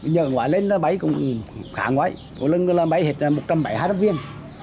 nhờ ngoài lên nó bay cũng khá ngoài có lần bay hết một trăm bảy mươi hai trăm linh viên